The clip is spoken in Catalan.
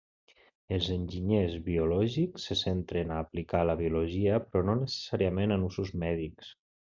Els enginyers biològics se centren a aplicar la biologia, però no necessàriament en usos mèdics.